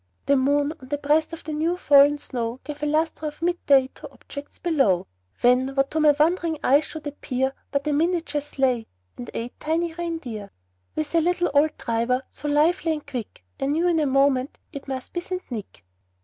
The moon, on the breast of the new fallen snow, Gave a lustre of mid day to objects below; When, what to my wondering eyes should appear, But a miniature sleigh, and eight tiny rein deer, With a little old driver, so lively and quick, I knew in a moment it must be St. Nick.